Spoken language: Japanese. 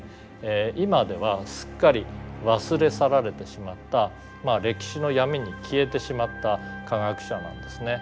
今ではすっかり忘れ去られてしまった歴史の闇に消えてしまった科学者なんですね。